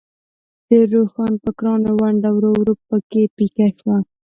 د روښانفکرانو ونډه ورو ورو په کې پیکه شوه.